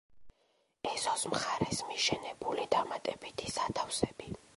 ეზოს მხარეს მიშენებული დამატებითი სათავსები.